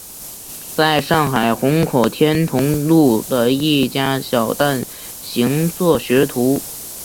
在上海虹口天潼路的一家小蛋行做学徒。